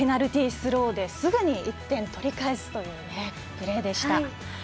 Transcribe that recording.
スローですぐに１点を取り返すというプレーでした。